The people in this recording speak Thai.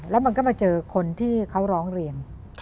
แล้วมันก็มาเจอคนที่เขาร้องเรียน